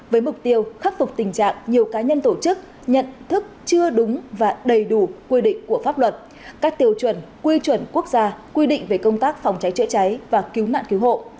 với mục tiêu khắc phục tình trạng nhiều cá nhân tổ chức nhận thức chưa đúng và đầy đủ quy định của pháp luật các tiêu chuẩn quy chuẩn quốc gia quy định về công tác phòng cháy chữa cháy và cứu nạn cứu hộ